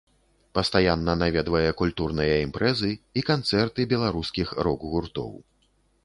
Пастаянна наведвае культурныя імпрэзы і канцэрты беларускіх рок-гуртоў.